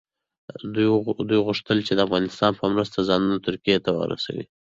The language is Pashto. دوی غوښتل چې د افغانستان په مرسته ځانونه ترکیې ته ورسوي.